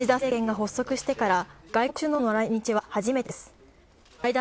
岸田政権が発足してから外国首脳の来日は初めてです。